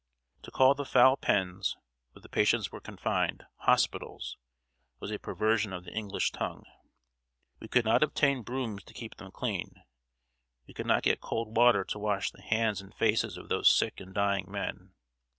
To call the foul pens, where the patients were confined, "hospitals," was a perversion of the English tongue. We could not obtain brooms to keep them clean; we could not get cold water to wash the hands and faces of those sick and dying men.